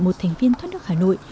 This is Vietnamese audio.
một thành viên thoát nước hà nội